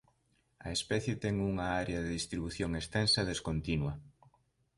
A especie ten unha área de distribución extensa e descontinua.